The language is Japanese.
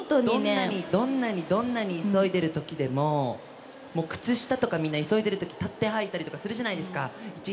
どんなにどんなにどんなに急いでいるときでも、靴下とか、みんな急いでるとき立ってはいたりとかするじゃないですか。